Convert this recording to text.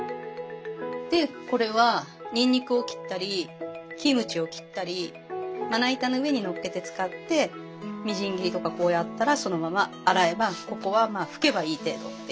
でこれはニンニクを切ったりキムチを切ったりまな板の上にのっけて使ってみじん切りとかこうやったらそのまま洗えばここはまあ拭けばいい程度っていう。